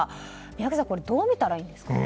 宮家さんどう見たらいいんでしょうか。